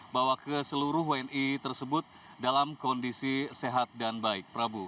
bahwa ke seluruh wni tersebut dalam kondisi sehat dan baik